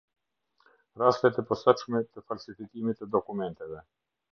Rastet e posaçme të falsifikimit të dokumenteve.